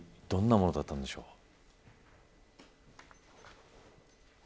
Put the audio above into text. どんなものだったんでしょう。